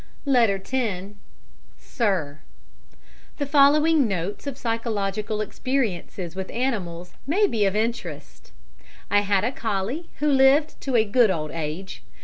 Letter 10 SIR, The following notes of psychological experiences with animals may be of interest: I had a collie who lived to a good old age.